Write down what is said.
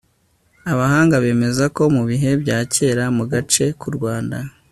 abahanga bemeza ko mu bihe bya kera mu gace k'u rwanda